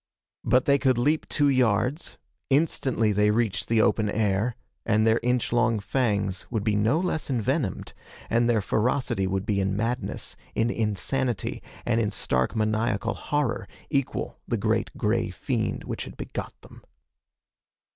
But they could leap two yards, instantly they reached the open air, and their inch long fangs would be no less envenomed, and their ferocity would be in madness, in insanity and in stark maniacal horror equal the great gray fiend which had begot them.